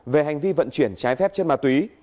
về hành vi vận chuyển trái phép chất ma túy